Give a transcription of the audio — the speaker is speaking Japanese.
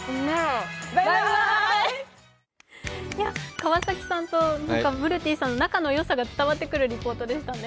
川崎さんとムルティさんの仲のよさが伝わってくる映像でしたね。